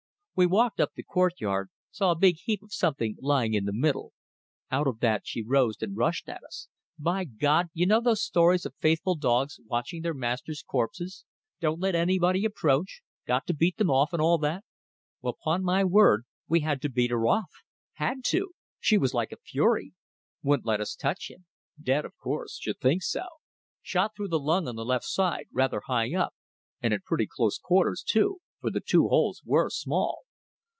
We walked up the courtyard saw a big heap of something lying in the middle. Out of that she rose and rushed at us. By God. ... You know those stories of faithful dogs watching their masters' corpses ... don't let anybody approach ... got to beat them off and all that. ... Well, 'pon my word we had to beat her off. Had to! She was like a fury. Wouldn't let us touch him. Dead of course. Should think so. Shot through the lung, on the left side, rather high up, and at pretty close quarters too, for the two holes were small.